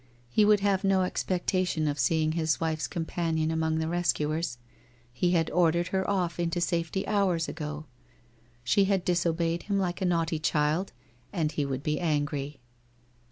He would have no expectation of seeing his wife's com panion among the rescuers; he had ordered her off into safety hours ago. She had disobeyed him like a naughty child, and he would be angry.